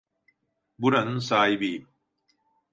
Buranın sahibiyim.